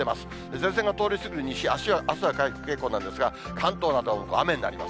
前線が通り過ぎる西、あすは回復傾向なんですが、関東など、雨になります。